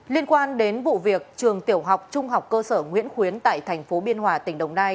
liên quan đến vụ việc trường tiểu học trung học cơ sở nguyễn khuyến tại tp biên hòa tỉnh đồng nai